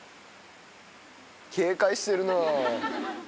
警戒してるなぁ。